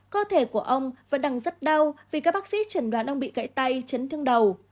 cơ thể của ông vẫn đang rất đau vì các bác sĩ chẩn đoán đang bị gãy tay chấn thương đầu